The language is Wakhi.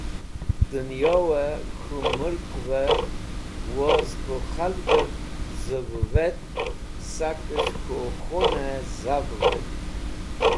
Dẽnyoẽ k̃hũ mulkẽvẽ woz k̃hũ khalgẽv zẽvũvẽtk sakẽs̃h k̃hũ khunẽ zafũvẽn.